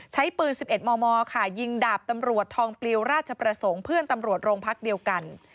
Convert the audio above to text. ใช้ปืน๑๑มมค่ะยิงดาบตำรวจทองปลิวราชประสงค์เพื่อนตำรวจโรงพักเดียวกัน